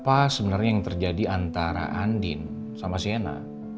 apa sebenernya yang terjadi antara andin sama sienna